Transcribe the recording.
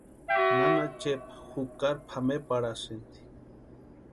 Nana Chepa jukari pʼameparhasïnti.